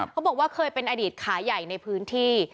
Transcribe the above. เขาบอกว่าเคยเป็นอดีตขาใหญ่ในพื้นที่